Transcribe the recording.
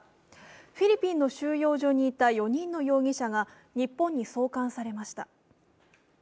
フィリピンの収容所にいた４人の容疑者が日本に送還されました。